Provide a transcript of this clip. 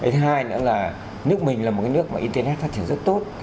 thứ hai nữa là nước mình là một nước mà internet phát triển rất tốt